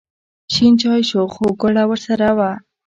شین چای شو خو ګوړه ورسره وه.